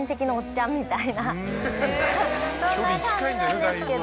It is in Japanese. みたいなそんな感じなんですけど。